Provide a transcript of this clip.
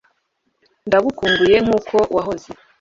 ndagukumbuye nkuko wahoze